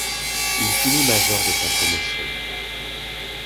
Il finit major de sa promotion.